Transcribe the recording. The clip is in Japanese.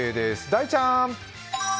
大ちゃん。